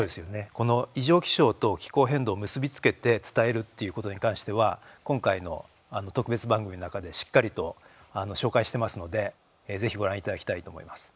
この異常気象と気候変動を結び付けて伝えるっていうことに関しては今回の特別番組の中でしっかりと紹介してますのでぜひご覧いただきたいと思います。